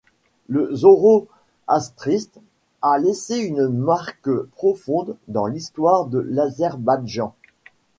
Le zoroastrisme a laissé une marque profonde dans l'histoire de l'Azerbaïdjan.